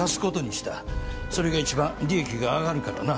それが一番利益が上がるからな。